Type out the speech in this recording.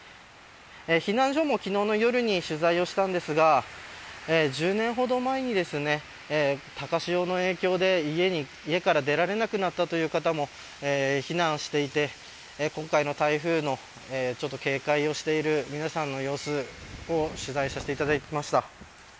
避難所も、昨日の夜に取材をしたんですが１０年ほど前に高潮の影響で、家から出られなくなったという方も避難していて、今回の台風の警戒をしている皆さんの様子を取材させていただきました。